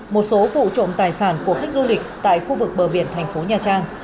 một số vụ trộm tài sản của khách du lịch tại khu vực bờ biển thành phố nhà trang